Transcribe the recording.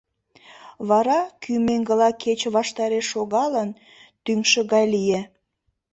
Вара, кӱ меҥгыла кече ваштареш шогалын, тӱҥшӧ гай лие.